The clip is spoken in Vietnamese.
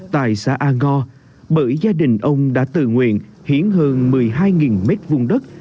tại xã a ngo bởi gia đình ông đã tự nguyện hiến hơn một mươi hai mét vuông đất